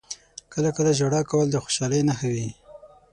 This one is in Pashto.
• کله کله ژړا کول د خوشحالۍ نښه وي.